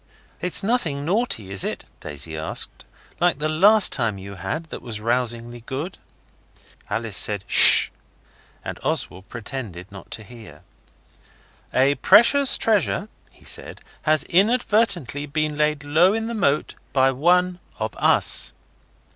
'It's nothing naughty, is it,' Daisy asked, 'like the last time you had that was rousingly good?' Alice said 'Shish', and Oswald pretended not to hear. 'A precious treasure,' he said, 'has inadvertently been laid low in the moat by one of us.